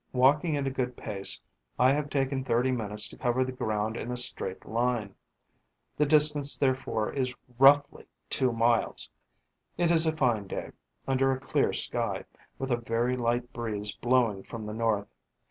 Walking at a good pace, I have taken thirty minutes to cover the ground in a straight line. The distance therefore is, roughly, two miles. It is a fine day, under a clear sky, with a very light breeze blowing from the north.